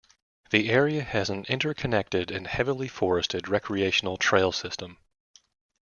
The area has an inter-connected and heavily forested recreational trail system.